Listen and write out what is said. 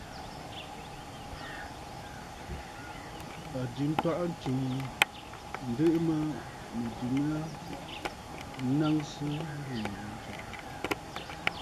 A jɨ ntwaʼa ntsǔ yi, ǹdɨʼɨ nɨ mə mɨ̀jɨ mya naŋsə nlìì ghu ntsù.